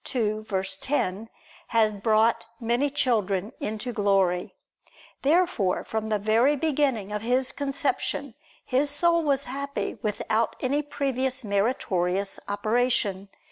2:10, "had brought many children into glory"; therefore, from the very beginning of His conception, His soul was happy, without any previous meritorious operation.